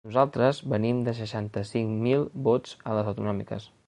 Nosaltres venim de seixanta-cinc mil vots a les autonòmiques.